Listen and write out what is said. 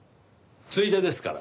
ついでですから。